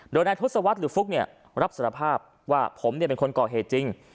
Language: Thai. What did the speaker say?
โดยนายทุศวัฒน์หรือฟุ๊กเนี่ยรับสารภาพว่าผมเนี่ยเป็นคนก่อเหตุจริง